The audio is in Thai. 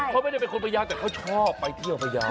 เขาไม่ได้เป็นคนพยาวแต่เขาชอบไปเที่ยวพยาว